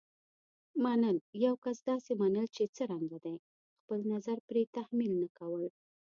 منل: یو کس داسې منل چې څرنګه دی. خپل نظر پرې تحمیل نه کول.